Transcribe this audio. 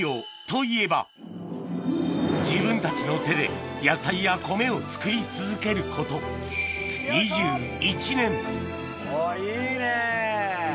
自分たちの手で野菜や米を作り続けること２１年おぉいいね。